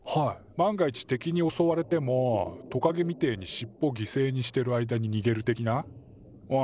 万が一敵におそわれてもトカゲみてえにしっぽぎせいにしてる間ににげる的な。おん。